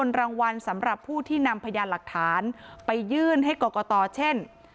รางวัลสำหรับผู้ที่นำพยานหลักฐานไปยื่นให้กรกตเช่น